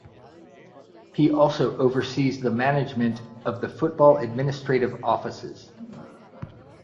He also oversees the management of the football administrative offices.